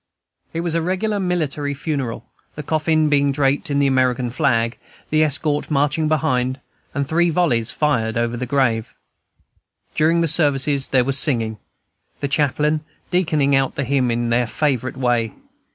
It was a regular military funeral, the coffin being draped with the American flag, the escort marching behind, and three volleys fired over the grave. During the services there was singing, the chaplain deaconing out the hymn in their favorite way.